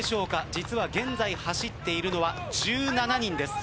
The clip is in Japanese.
実は現在走っているのは１７人です。